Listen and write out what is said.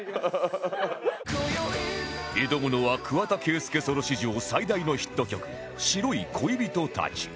挑むのは桑田佳祐ソロ史上最大のヒット曲『白い恋人達』